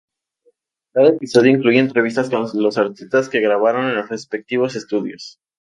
Cada episodio incluye entrevistas con los artistas que grabaron en los respectivos estudios.